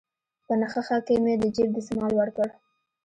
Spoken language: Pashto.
په نخښه كښې مې د جيب دسمال وركړ.